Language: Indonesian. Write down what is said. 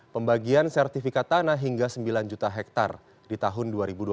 pembagian sertifikat tanah hingga sembilan juta hektare di tahun dua ribu dua puluh